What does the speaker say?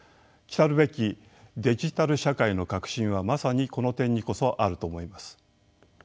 来るべきデジタル社会の核心はまさにこの点にこそあると思います。